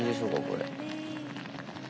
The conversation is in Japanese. これ。